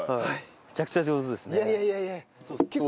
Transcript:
めちゃくちゃ上手ですね。